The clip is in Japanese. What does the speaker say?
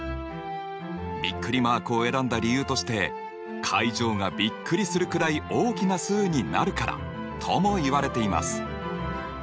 びっくりマークを選んだ理由として階乗がびっくりするくらい大きな数になるからともいわれています。